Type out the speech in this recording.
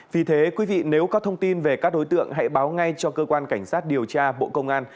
vì thế quý vị nếu có thông tin về các đối tượng hãy báo ngay cho cơ quan cảnh sát điều tra bộ công an